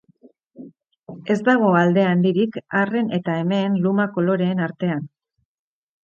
Ez dago alde handirik arren eta emeen luma-koloreen artean.